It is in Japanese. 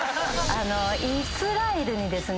イスラエルにですね